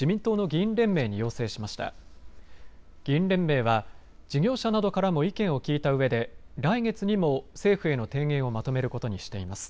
議員連盟は事業者などからも意見を聞いたうえで来月にも政府への提言をまとめることにしています。